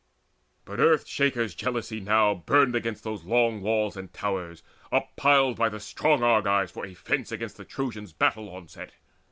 But Earth shaker's jealousy now Burned against those long walls and towers uppiled By the strong Argives for a fence against The Trojans' battle onset.